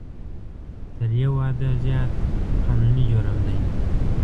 تر یو واده زیات قانوني جرم دی